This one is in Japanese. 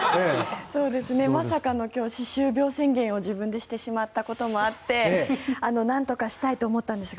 まさかの今日、歯周病宣言を自分でしてしまったこともあってなんとかしたいと思ったんですよ。